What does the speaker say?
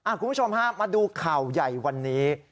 คุณผู้ชมฮะมาดูข่าวใหญ่วันนี้